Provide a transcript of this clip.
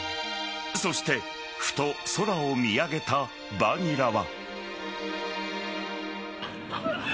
そしてふと空を見上げたバニラは。